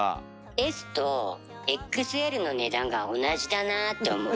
ＳとＸＬの値段が同じだなって思うとき。